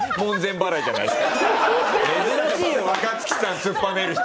珍しいよ若槻さん突っぱねる人。